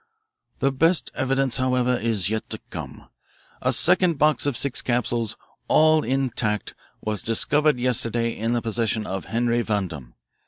"The best evidence, however, is yet to come. A second box of six capsules, all intact, was discovered yesterday in the possession of Henry Vandam.